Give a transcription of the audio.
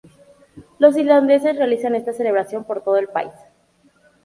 Los islandeses realizan esta celebración por todo el país.